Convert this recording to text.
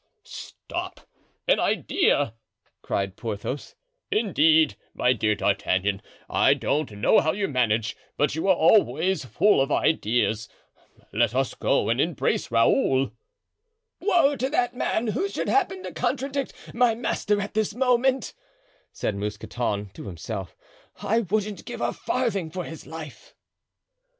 "Stop—an idea!" cried Porthos; "indeed, my dear D'Artagnan, I don't know how you manage, but you are always full of ideas; let us go and embrace Raoul." "Woe to that man who should happen to contradict my master at this moment," said Mousqueton to himself; "I wouldn't give a farthing for his life."